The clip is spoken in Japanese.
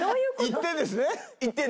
１点です。